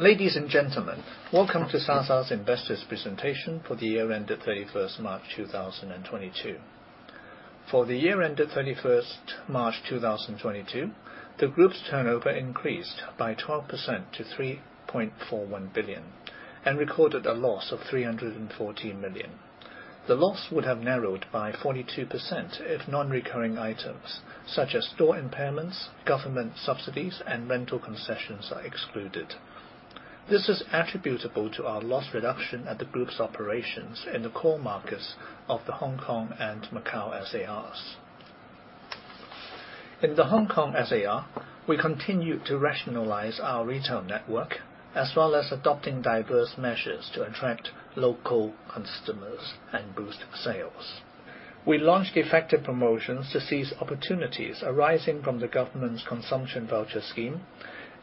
Ladies and gentlemen, welcome to Sa Sa's investors presentation for the year ended 31st March 2022. For the year ended 31st March 2022, the group's turnover increased by 12% to 3.41 billion and recorded a loss of 314 million. The loss would have narrowed by 42% if non-recurring items such as store impairments, government subsidies, and rental concessions are excluded. This is attributable to our loss reduction at the group's operations in the core markets of the Hong Kong and Macau SARs. In the Hong Kong SAR, we continued to rationalize our retail network, as well as adopting diverse measures to attract local customers and boost sales. We launched effective promotions to seize opportunities arising from the government's Consumption Voucher Scheme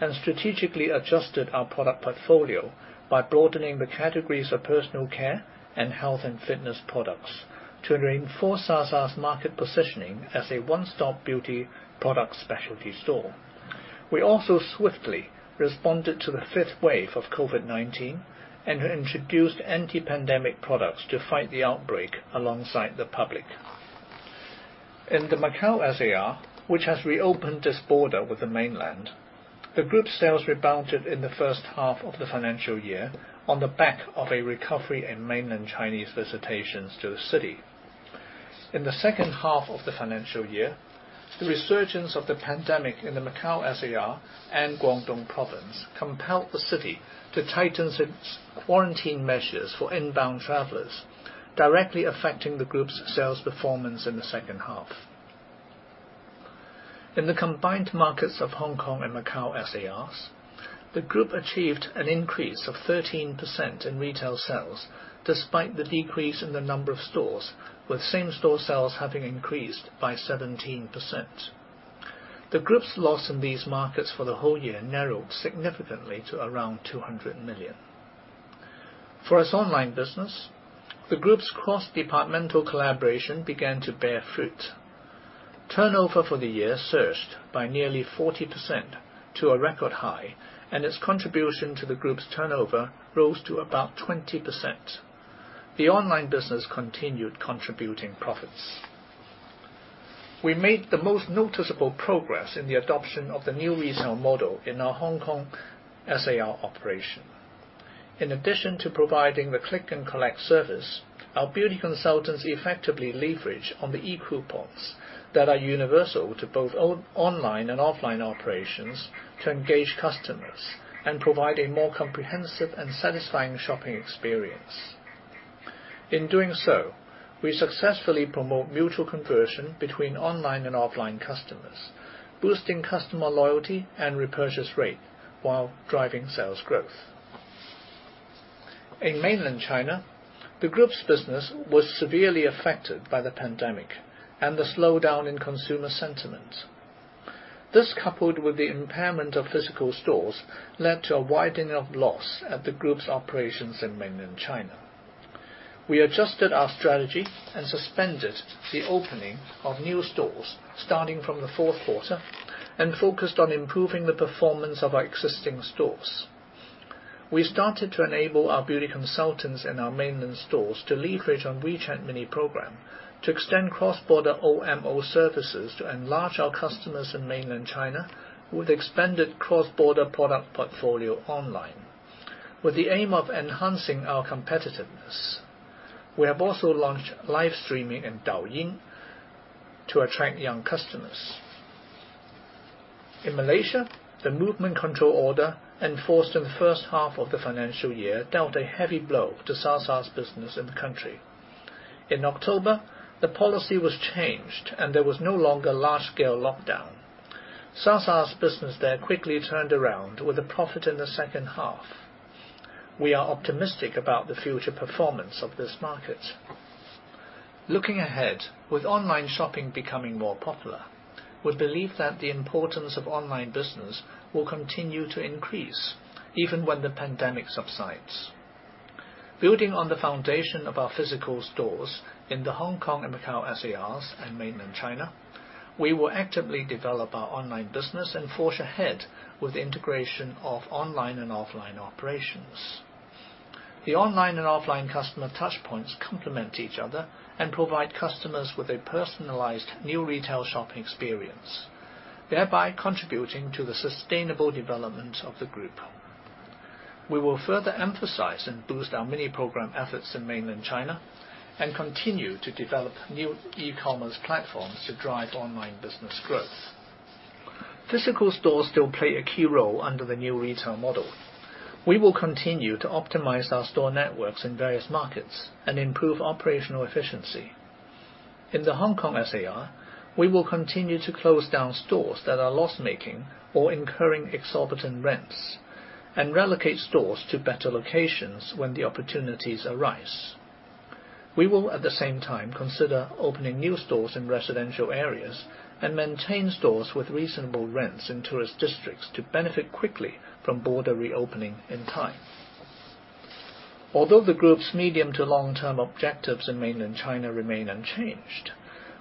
and strategically adjusted our product portfolio by broadening the categories of personal care and health and fitness products to reinforce Sa Sa's market positioning as a one-stop beauty product specialty store. We also swiftly responded to the fifth wave of COVID-19 and introduced anti-pandemic products to fight the outbreak alongside the public. In the Macau SAR, which has reopened its border with the mainland, the group's sales rebounded in the H1 of the financial year on the back of a recovery in mainland Chinese visitations to the city. In the H2 of the financial year, the resurgence of the pandemic in the Macau SAR and Guangdong Province compelled the city to tighten its quarantine measures for inbound travelers, directly affecting the group's sales performance in the H2. In the combined markets of Hong Kong SAR and Macau SAR, the group achieved an increase of 13% in retail sales despite the decrease in the number of stores, with same-store sales having increased by 17%. The group's loss in these markets for the whole year narrowed significantly to around 200 million. For its online business, the group's cross-departmental collaboration began to bear fruit. Turnover for the year surged by nearly 40% to a record high, and its contribution to the group's turnover rose to about 20%. The online business continued contributing profits. We made the most noticeable progress in the adoption of the new retail model in our Hong Kong SAR operation. In addition to providing the click and collect service, our beauty consultants effectively leverage on the e-coupons that are universal to both online and offline operations to engage customers and provide a more comprehensive and satisfying shopping experience. In doing so, we successfully promote mutual conversion between online and offline customers, boosting customer loyalty and repurchase rate while driving sales growth. In Mainland China, the group's business was severely affected by the pandemic and the slowdown in consumer sentiment. This, coupled with the impairment of physical stores, led to a widening of loss at the group's operations in Mainland China. We adjusted our strategy and suspended the opening of new stores starting from the Q4 and focused on improving the performance of our existing stores. We started to enable our beauty consultants in our mainland stores to leverage on WeChat Mini Program to extend cross-border OMO services to enlarge our customers in mainland China with expanded cross-border product portfolio online, with the aim of enhancing our competitiveness. We have also launched live streaming in Douyin to attract young customers. In Malaysia, the Movement Control Order enforced in the H1 of the financial year dealt a heavy blow to Sa Sa's business in the country. In October, the policy was changed, and there was no longer large-scale lockdown. Sa Sa's business there quickly turned around with a profit in the H2. We are optimistic about the future performance of this market. Looking ahead, with online shopping becoming more popular, we believe that the importance of online business will continue to increase even when the pandemic subsides. Building on the foundation of our physical stores in the Hong Kong and Macau SARs and mainland China, we will actively develop our online business and forge ahead with the integration of online and offline operations. The online and offline customer touchpoints complement each other and provide customers with a personalized new retail shopping experience, thereby contributing to the sustainable development of the group. We will further emphasize and boost our mini program efforts in mainland China and continue to develop new e-commerce platforms to drive online business growth. Physical stores still play a key role under the new retail model. We will continue to optimize our store networks in various markets and improve operational efficiency. In the Hong Kong SAR, we will continue to close down stores that are loss-making or incurring exorbitant rents and relocate stores to better locations when the opportunities arise. We will, at the same time, consider opening new stores in residential areas and maintain stores with reasonable rents in tourist districts to benefit quickly from border reopening in time. Although the group's medium to long-term objectives in mainland China remain unchanged,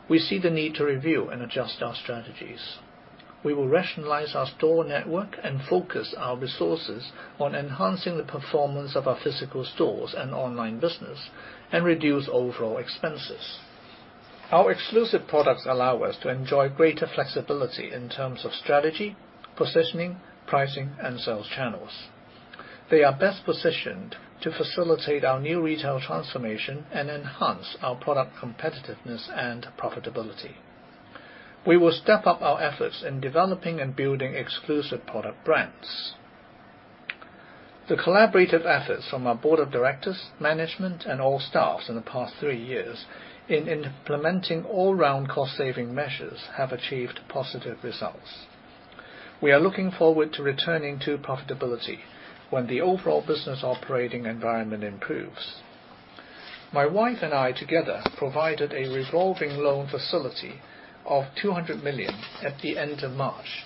we see the need to review and adjust our strategies. We will rationalize our store network and focus our resources on enhancing the performance of our physical stores and online business and reduce overall expenses. Our exclusive products allow us to enjoy greater flexibility in terms of strategy, positioning, pricing, and sales channels. They are best positioned to facilitate our new retail transformation and enhance our product competitiveness and profitability. We will step up our efforts in developing and building exclusive product brands. The collaborative efforts from our board of directors, management, and all staff in the past three years in implementing all-round cost saving measures have achieved positive results. We are looking forward to returning to profitability when the overall business operating environment improves. My wife and I together provided a revolving loan facility of 200 million at the end of March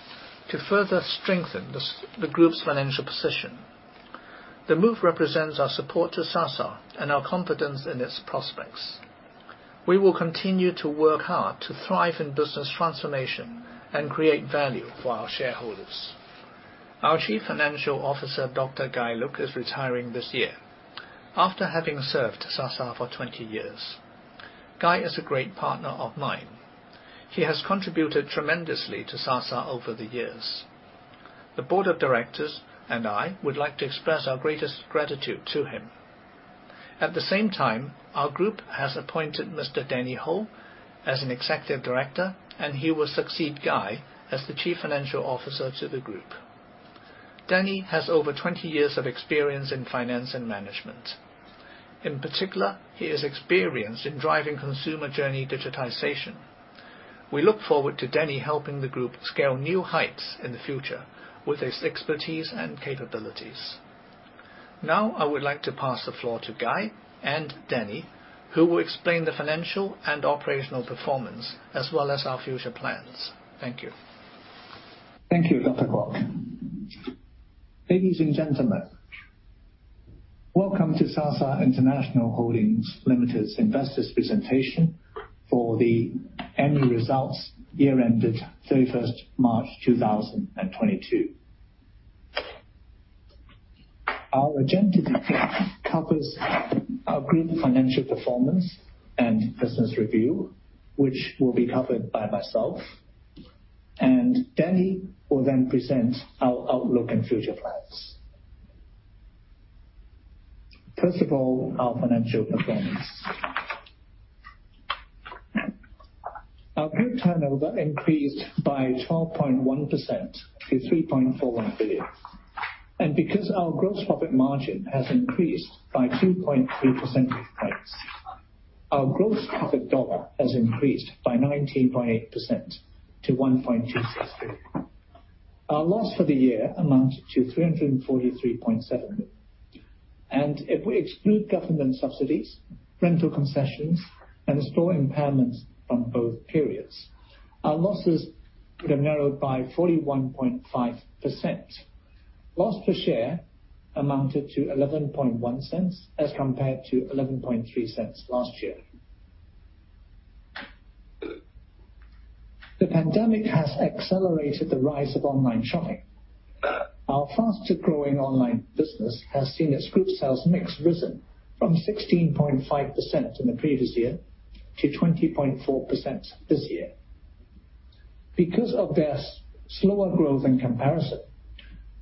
to further strengthen the group's financial position. The move represents our support to Sa Sa and our confidence in its prospects. We will continue to work hard to thrive in business transformation and create value for our shareholders. Our Chief Financial Officer, Dr. Guy Look, is retiring this year after having served Sa Sa for 20 years. Guy is a great partner of mine. He has contributed tremendously to Sa Sa over the years. The board of directors and I would like to express our greatest gratitude to him. At the same time, our group has appointed Mr. Danny Ho as an Executive Director, and he will succeed Guy as the Chief Financial Officer to the group. Danny has over 20 years of experience in finance and management. In particular, he is experienced in driving consumer journey digitization. We look forward to Danny helping the group scale new heights in the future with his expertise and capabilities. Now, I would like to pass the floor to Guy and Danny, who will explain the financial and operational performance as well as our future plans. Thank you. Thank you, Dr. Kwok. Ladies and gentlemen, welcome to Sa Sa International Holdings Limited's investors' presentation for the annual results year ended 31 March 2022. Our agenda today covers our group financial performance and business review, which will be covered by myself, and Danny will then present our outlook and future plans. First of all, our financial performance. Our group turnover increased by 12.1% to 3.41 billion. Because our gross profit margin has increased by 2.3 percentage points, our gross profit dollar has increased by 19.8% to 1.26 billion. Our loss for the year amounted to 343.7 million. If we exclude government subsidies, rental concessions, and store impairments from both periods, our losses could have narrowed by 41.5%. Loss per share amounted to 0.111 as compared to 0.113 last year. The pandemic has accelerated the rise of online shopping. Our fastest growing online business has seen its group sales mix risen from 16.5% in the previous year to 20.4% this year. Because of their slower growth in comparison,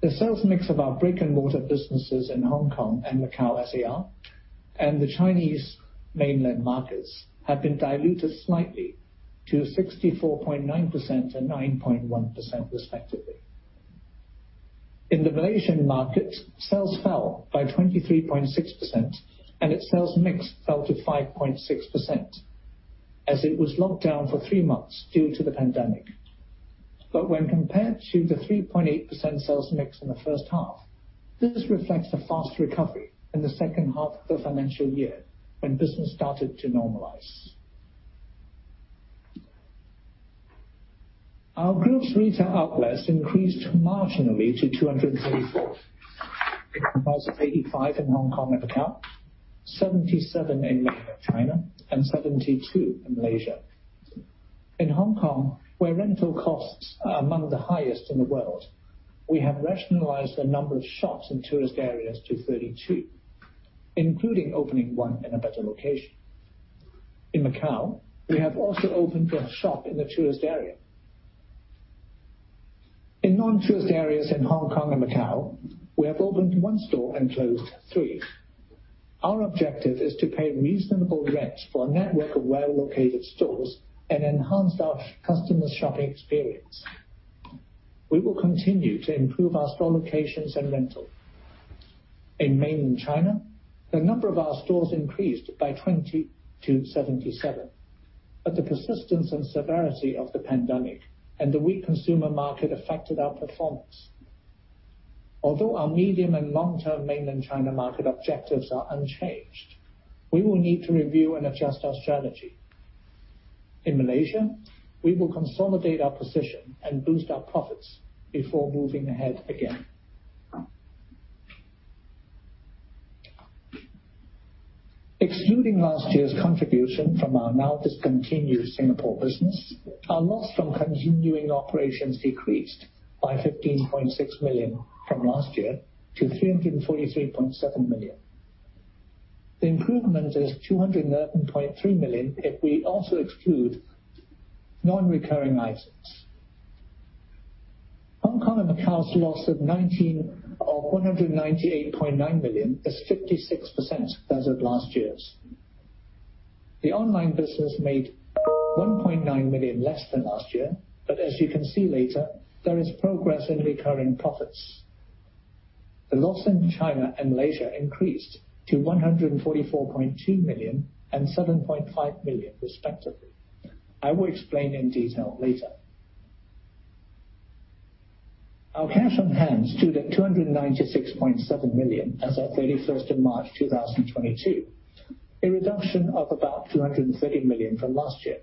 the sales mix of our brick-and-mortar businesses in Hong Kong and Macau SAR, and the Chinese mainland markets have been diluted slightly to 64.9% and 9.1% respectively. In the Malaysian market, sales fell by 23.6%, and its sales mix fell to 5.6% as it was locked down for three months due to the pandemic. When compared to the 3.8% sales mix in the H1, this reflects the fast recovery in the H2 of the financial year when business started to normalize. Our group's retail outlets increased marginally to 234. It comprised of 85 in Hong Kong and Macau, 77 in mainland China and 72 in Malaysia. In Hong Kong, where rental costs are among the highest in the world, we have rationalized the number of shops in tourist areas to 32, including opening one in a better location. In Macau, we have also opened a shop in the tourist area. In non-tourist areas in Hong Kong and Macau, we have opened one store and closed three. Our objective is to pay reasonable rents for a network of well-located stores and enhance our customer's shopping experience. We will continue to improve our store locations and rental. In mainland China, the number of our stores increased by 20-77, but the persistence and severity of the pandemic and the weak consumer market affected our performance. Although our medium and long-term mainland China market objectives are unchanged, we will need to review and adjust our strategy. In Malaysia, we will consolidate our position and boost our profits before moving ahead again. Excluding last year's contribution from our now discontinued Singapore business, our loss from continuing operations decreased by 15.6 million from last year to 343.7 million. The improvement is 211.3 million if we also exclude non-recurring items. Hong Kong and Macau's loss of 198.9 million is 56% of last year's. The online business made 1.9 million less than last year, but as you can see later, there is progress in recurring profits. The loss in China and Malaysia increased to 144.2 million and 7.5 million respectively. I will explain in detail later. Our cash on hand stood at 296.7 million as at 31 March 2022. A reduction of about 230 million from last year.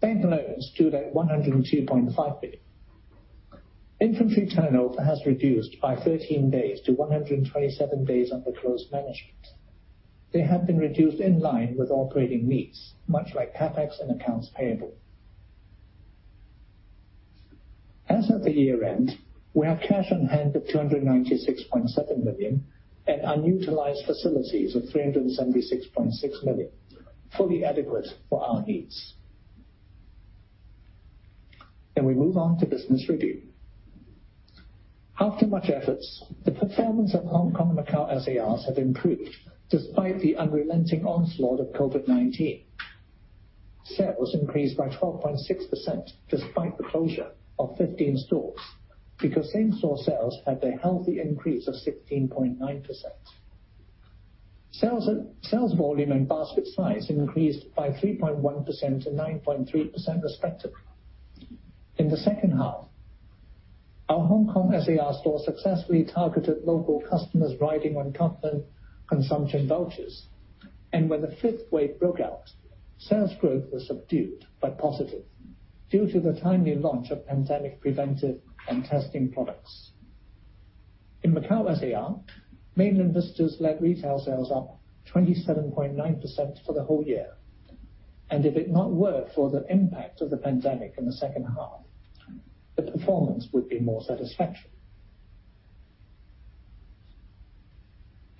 Bank loans stood at 102.5 billion. Inventory turnover has reduced by 13 days to 127 days under close management. They have been reduced in line with operating needs, much like CapEx and accounts payable. As of the year-end, we have cash on hand of 296.7 million and unutilized facilities of 376.6 million, fully adequate for our needs. We move on to business review. After much efforts, the performance of Hong Kong and Macau SARs has improved despite the unrelenting onslaught of COVID-19. Sales increased by 12.6% despite the closure of 15 stores, because same-store sales had a healthy increase of 16.9%. Sales volume and basket size increased by 3.1%-9.3% respectively. In the H2, our Hong Kong SAR store successfully targeted local customers riding on government consumption vouchers. When the fifth wave broke out, sales growth was subdued but positive due to the timely launch of pandemic preventive and testing products. In Macau SAR, mainland visitors led retail sales up 27.9% for the whole year. If it were not for the impact of the pandemic in the H2, the performance would be more satisfactory.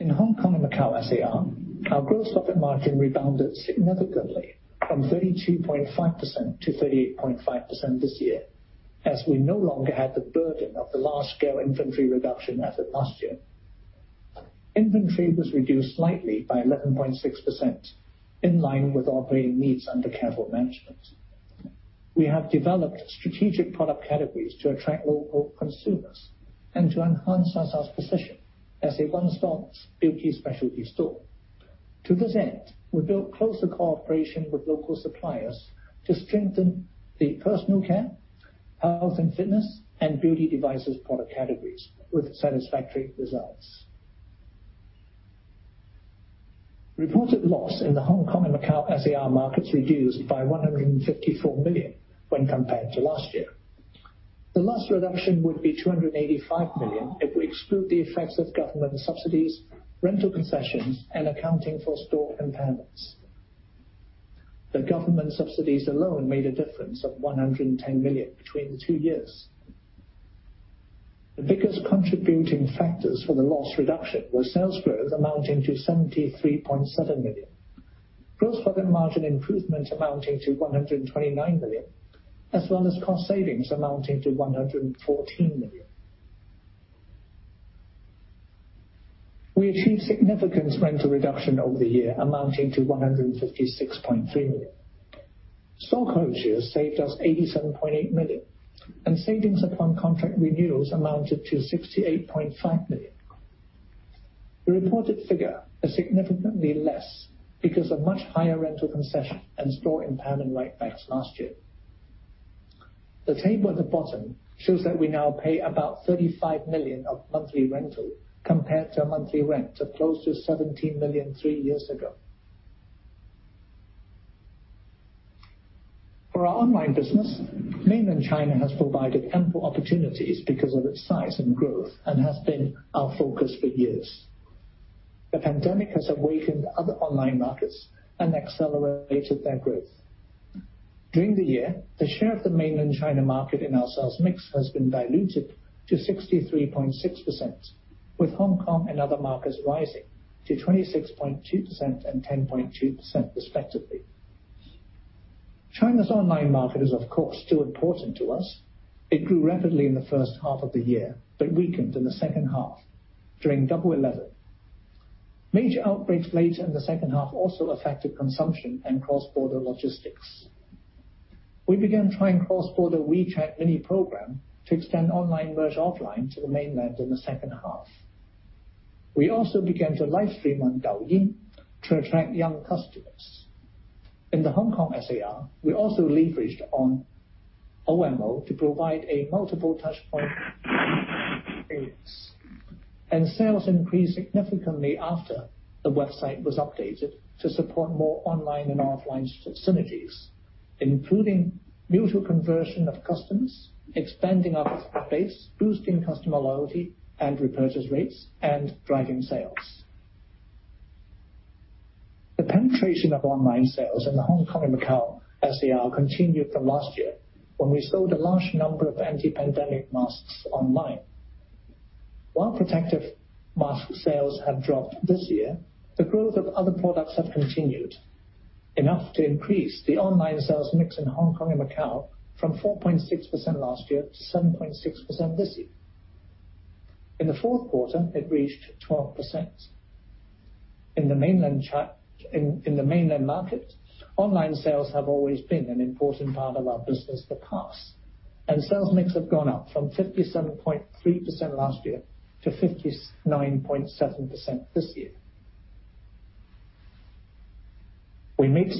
In Hong Kong and Macau SAR, our gross profit margin rebounded significantly from 32.5% to 38.5% this year, as we no longer had the burden of the large-scale inventory reduction effort last year. Inventory was reduced slightly by 11.6% in line with operating needs under careful management. We have developed strategic product categories to attract local consumers and to enhance Sa Sa's position as a one-stop beauty specialty store. To this end, we built closer cooperation with local suppliers to strengthen the personal care, health and fitness, and beauty devices product categories with satisfactory results. Reported loss in the Hong Kong and Macau SAR markets reduced by 154 million when compared to last year. The loss reduction would be 285 million if we exclude the effects of government subsidies, rental concessions, and accounting for store impairments. The government subsidies alone made a difference of 110 million between the two years. The biggest contributing factors for the loss reduction were sales growth amounting to 73.7 million. Gross profit margin improvement amounting to 129 million, as well as cost savings amounting to 114 million. We achieved significant rental reduction over the year, amounting to 156.3 million. Store closures saved us 87.8 million, and savings upon contract renewals amounted to 68.5 million. The reported figure is significantly less because of much higher rental concession and store impairment write-backs last year. The table at the bottom shows that we now pay about 35 million of monthly rental compared to a monthly rent of close to 17 million three years ago. For our online business, Mainland China has provided ample opportunities because of its size and growth, and has been our focus for years. The pandemic has awakened other online markets and accelerated their growth. During the year, the share of the Mainland China market in our sales mix has been diluted to 63.6%, with Hong Kong and other markets rising to 26.2% and 10.2% respectively. China's online market is, of course, still important to us. It grew rapidly in the H1 of the year, but weakened in the H2 during Double Eleven. Major outbreaks later in the H2 also affected consumption and cross-border logistics. We began trying cross-border WeChat Mini Program to extend online merge offline to the mainland in the H2. We also began to live stream on Douyin to attract young customers. In the Hong Kong SAR, we also leveraged on OMO to provide a multiple touchpoint experience. Sales increased significantly after the website was updated to support more online and offline synergies, including mutual conversion of customers, expanding our customer base, boosting customer loyalty and repurchase rates, and driving sales. The penetration of online sales in the Hong Kong and Macau SAR continued from last year, when we sold a large number of anti-pandemic masks online. While protective mask sales have dropped this year, the growth of other products have continued, enough to increase the online sales mix in Hong Kong and Macau from 4.6% last year to 7.6% this year. In the Q4, it reached 12%. In the mainland market, online sales have always been an important part of our business for the past, and sales mix have gone up from 57.3% last year to 59.7% this year. We made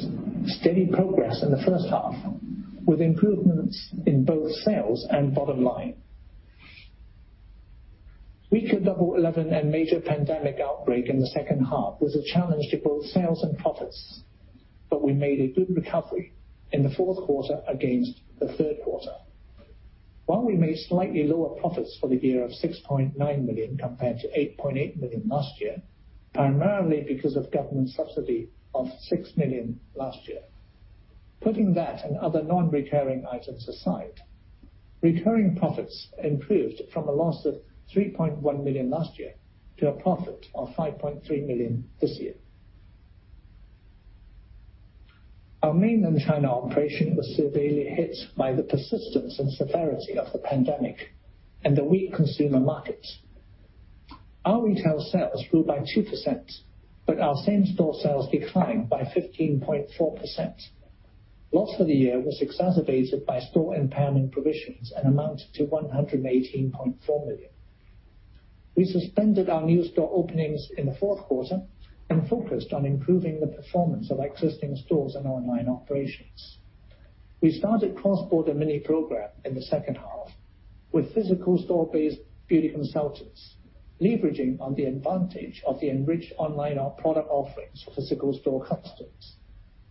steady progress in the H1, with improvements in both sales and bottom line. Weaker Double Eleven and major pandemic outbreak in the H2 was a challenge to both sales and profits. We made a good recovery in the Q4 against the Q3. While we made slightly lower profits for the year of 6.9 million compared to 8.8 million last year, primarily because of government subsidy of 6 million last year. Putting that and other non-recurring items aside, recurring profits improved from a loss of 3.1 million last year to a profit of 5.3 million this year. Our Mainland China operation was severely hit by the persistence and severity of the pandemic and the weak consumer markets. Our retail sales grew by 2%, but our same-store sales declined by 15.4%. Loss for the year was exacerbated by store impairment provisions and amounted to 118.4 million. We suspended our new store openings in the Q4 and focused on improving the performance of existing stores and online operations. We started cross-border mini program in the H2 with physical store-based beauty consultants, leveraging on the advantage of the enriched online OMO product offerings for physical store customers,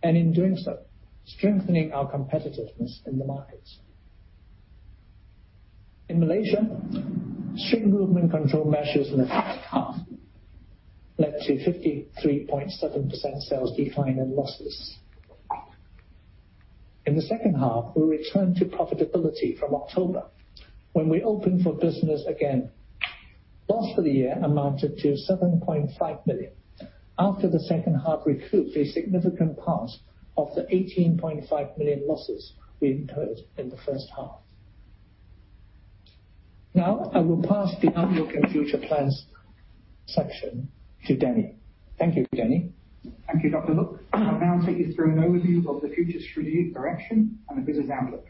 and in doing so, strengthening our competitiveness in the markets. In Malaysia, strict Movement Control Order in the H2 led to 53.7% sales decline and losses. In the H2, we returned to profitability from October when we opened for business again. Loss for the year amounted to 7.5 million. After the H2 recovery, a significant part of the 18.5 million losses we incurred in the H1. Now, I will pass the outlook and future plans section to Danny Ho. Thank you, Danny Ho. Thank you, Dr. Look. I'll now take you through an overview of the future strategic direction and the business outlook.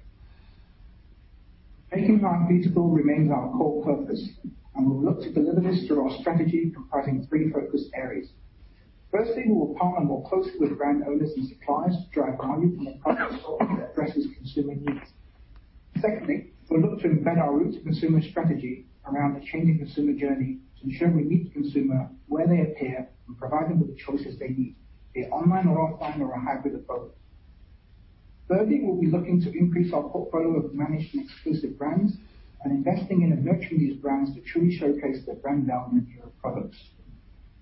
Making life beautiful remains our core purpose, and we'll look to deliver this through our strategy comprising three focus areas. Firstly, we will partner more closely with brand owners and suppliers to drive value from our product assortment that addresses consumer needs. Secondly, we'll look to embed our route to consumer strategy around the changing consumer journey to ensure we meet the consumer where they appear and provide them with the choices they need, be it online or offline or a hybrid approach. Thirdly, we'll be looking to increase our portfolio of managed and exclusive brands and investing in and nurturing these brands to truly showcase their brand value and functional products.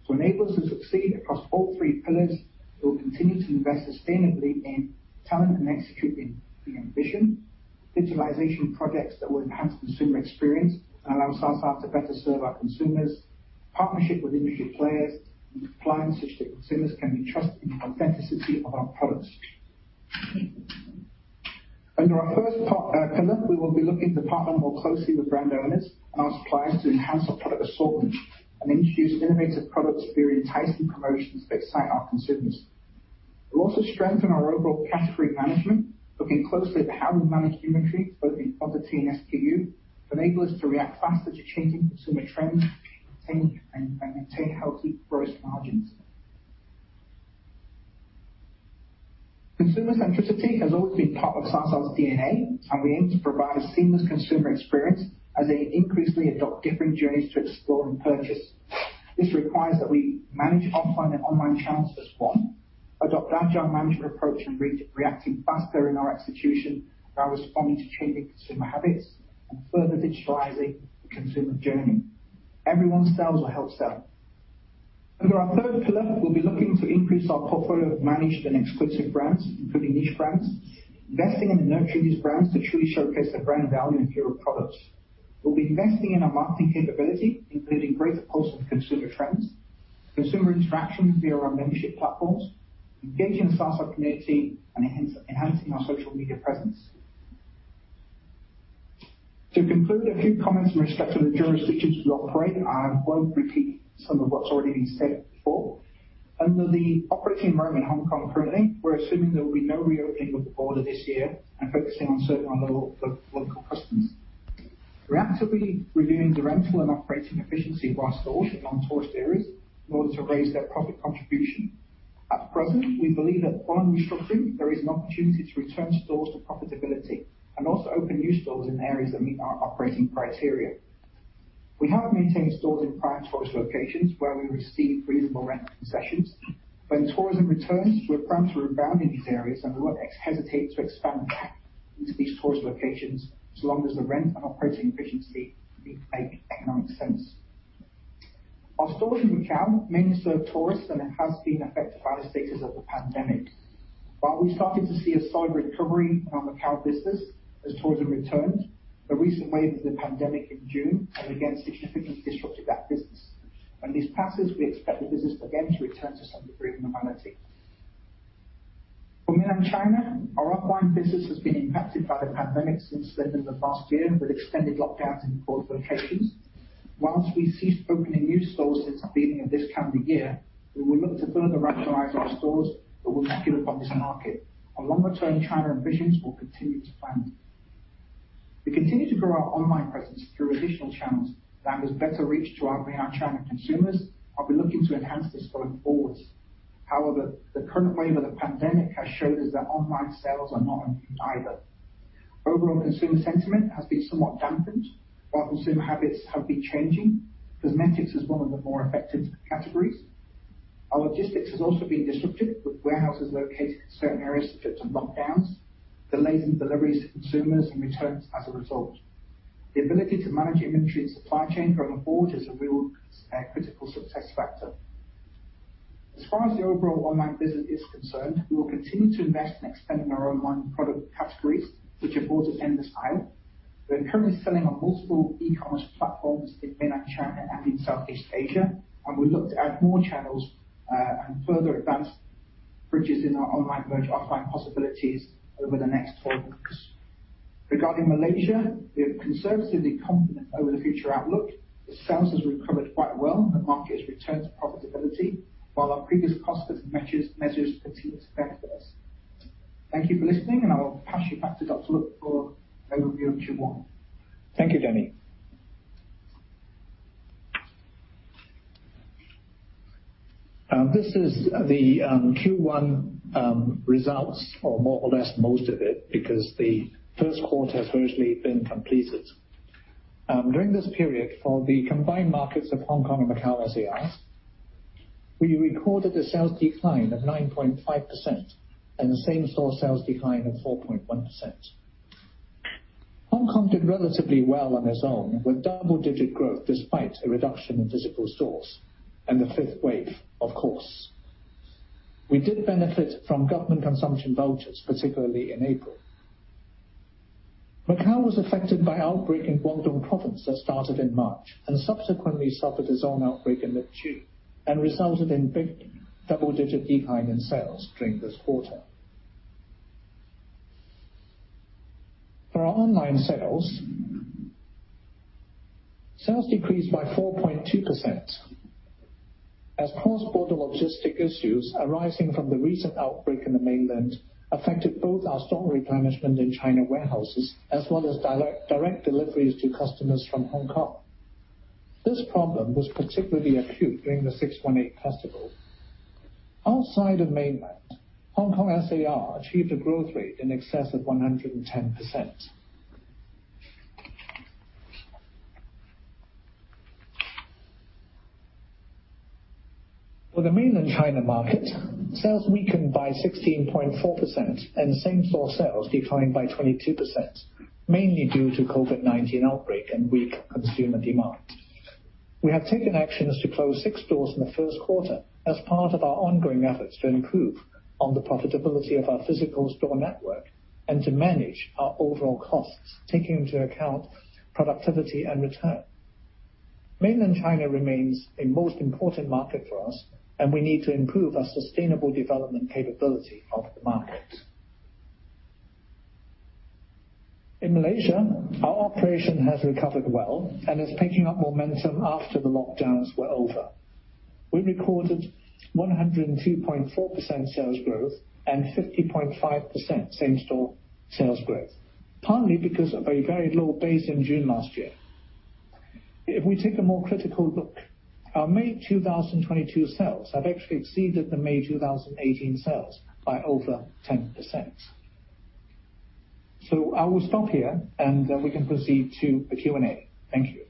To enable us to succeed across all three pillars, we will continue to invest sustainably in talent and executing the ambition, digitalization projects that will enhance consumer experience and allow Sa Sa to better serve our consumers, partnership with industry players, and the clients such that consumers can be trusted in the authenticity of our products. Under our first pillar, we will be looking to partner more closely with brand owners and our suppliers to enhance our product assortment and introduce innovative products via enticing promotions that excite our consumers. We'll also strengthen our overall category management, looking closely at how we manage inventory, both in quantity and SKU, to enable us to react faster to changing consumer trends and maintain healthy gross margins. Consumer centricity has always been part of Sa Sa's DNA, and we aim to provide a seamless consumer experience as they increasingly adopt different journeys to explore and purchase. This requires that we manage offline and online channels as one, adopt agile management approach in reacting faster in our execution by responding to changing consumer habits and further digitizing the consumer journey. Everyone sells or helps sell. Under our third pillar, we'll be looking to increase our portfolio of managed and exclusive brands, including niche brands, investing and nurturing these brands to truly showcase their brand value and functional products. We'll be investing in our marketing capability, including greater pulse on consumer trends, consumer interactions via our membership platforms, engaging Sa Sa community, and enhancing our social media presence. To conclude, a few comments in respect to the jurisdictions we operate. I won't repeat some of what's already been said before. Under the operating environment in Hong Kong currently, we're assuming there will be no reopening of the border this year and focusing on serving our local customers. We're actively reviewing the rental and operating efficiency of our stores in non-tourist areas in order to raise their profit contribution. At present, we believe that upon restructuring, there is an opportunity to return stores to profitability and also open new stores in areas that meet our operating criteria. We have maintained stores in prime tourist locations where we receive reasonable rent concessions. When tourism returns, we expect a rebound in these areas, and we won't hesitate to expand back into these tourist locations as long as the rent and operating efficiency make economic sense. Our stores in Macau mainly serve tourists, and it has been affected by the status of the pandemic. While we started to see a solid recovery in our Macau business as tourism returns, the recent wave of the pandemic in June has again significantly disrupted that business. When this passes, we expect the business again to return to some degree of normality. For Mainland China, our online business has been impacted by the pandemic since the end of last year with extended lockdowns in port locations. While we ceased opening new stores since the beginning of this calendar year, we will look to further rationalize our stores, but we're not giving up on this market. Our longer-term China ambitions will continue to plan. We continue to grow our online presence through additional channels that has better reach to our Mainland China consumers, and we're looking to enhance this going forwards. However, the current wave of the pandemic has shown us that online sales are not immune either. Overall consumer sentiment has been somewhat dampened, while consumer habits have been changing. Cosmetics is one of the more affected categories. Our logistics has also been disrupted, with warehouses located in certain areas subject to lockdowns, delays in deliveries to consumers, and returns as a result. The ability to manage inventory and supply chain going forward is a real, critical success factor. As far as the overall online business is concerned, we will continue to invest in expanding our online product categories, which are bought at endless aisle. We are currently selling on multiple e-commerce platforms in Mainland China and in Southeast Asia, and we look to add more channels, and further advance bridges in our online merge offline possibilities over the next 12 months. Regarding Malaysia, we are conservatively confident over the future outlook. The sales have recovered quite well. The market has returned to profitability. While our previous cost-cutting measures continue to benefit us. Thank you for listening, and I will pass you back to Dr. Look for overview of Q1. Thank you, Danny. This is the Q1 results or more or less most of it because the Q1 has virtually been completed. During this period for the combined markets of Hong Kong and Macau SAR, we recorded a sales decline of 9.5% and the same-store sales decline of 4.1%. Hong Kong did relatively well on its own with double-digit growth despite a reduction in physical stores and the fifth wave, of course. We did benefit from government consumption vouchers, particularly in April. Macau was affected by outbreak in Guangdong Province that started in March and subsequently suffered its own outbreak in mid-June and resulted in big double-digit decline in sales during this quarter. For our online sales decreased by 4.2% as cross-border logistic issues arising from the recent outbreak in the mainland affected both our store replenishment in China warehouses as well as direct deliveries to customers from Hong Kong. This problem was particularly acute during the 618 festival. Outside of Mainland, Hong Kong SAR achieved a growth rate in excess of 110%. For the Mainland China market, sales weakened by 16.4%, and same-store sales declined by 22%, mainly due to COVID-19 outbreak and weak consumer demand. We have taken actions to close 6 stores in the Q1 as part of our ongoing efforts to improve on the profitability of our physical store network and to manage our overall costs, taking into account productivity and return. Mainland China remains a most important market for us, and we need to improve our sustainable development capability of the market. In Malaysia, our operation has recovered well and is picking up momentum after the lockdowns were over. We recorded 102.4% sales growth and 50.5% same-store sales growth, partly because of a very low base in June last year. If we take a more critical look, our May 2022 sales have actually exceeded the May 2018 sales by over 10%. I will stop here, and we can proceed to the Q&A. Thank you.